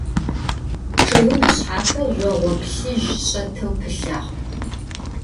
Ççıgım ışshape zjoğo plhıj ş'eteu pılhağ.